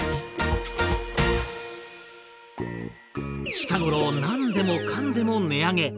近頃何でもかんでも値上げ。